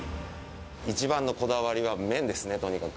一番のこだわりは麺ですね、とにかく。